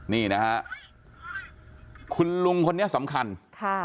นี่นะฮะคุณลุงคนนี้สำคัญค่ะ